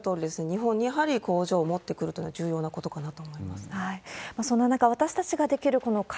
日本にやはり工場を持ってくるというのは重要なことかなと思い